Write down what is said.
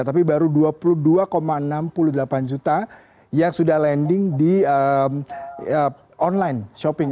tapi baru dua puluh dua enam puluh delapan juta yang sudah landing di online shopping